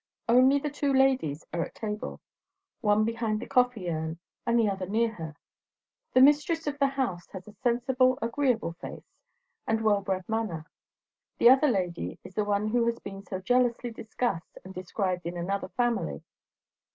Only the two ladies are at the table; one behind the coffee urn, and the other near her. The mistress of the house has a sensible, agreeable face, and well bred manner; the other lady is the one who has been so jealously discussed and described in another family.